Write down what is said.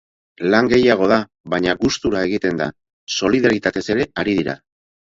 Lan gehiago da, baina gustura egiten da, solidaritatez ere ari dira.